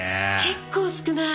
結構少ない。